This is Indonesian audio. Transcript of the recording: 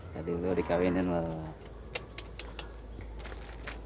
tadi lu dikawinin loh